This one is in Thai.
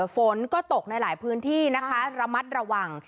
ฝนก็ตกในหลายพื้นที่นะคะระมัดระวัง